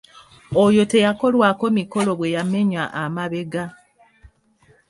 Oyo teyakolwako mikolo bwe yamenya amabega.